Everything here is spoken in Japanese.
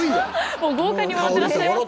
もう豪快に笑ってらっしゃいますよ。